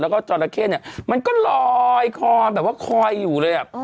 แล้วก็มันก็ลอยคอยอยู่เลย